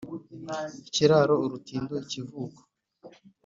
ikiraro, urutindo, ikivuko